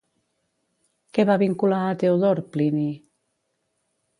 Què va vincular a Teodor, Plini?